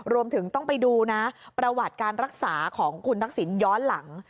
รวมถึงต้องไปดูนะประวัติการรักษาของคุณทักษิณย้อนหลัง